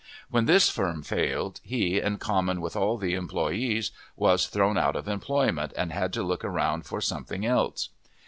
When this firm failed, he, in common with all the employees, was thrown out of employment, and had to look around for something else.